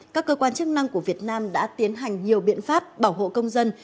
các cơ quan chức năng của việt nam đã tiến hành nhiều biện pháp bảo hộ công dân